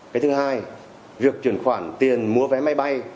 cái thứ hai việc chuyển khoản tiền mua vé máy bay